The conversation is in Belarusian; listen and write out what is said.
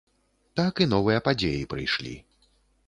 Так і новыя падзеі прыйшлі.